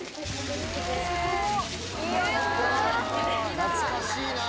懐かしいな。